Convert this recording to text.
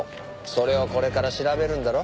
それをこれから調べるんだろ。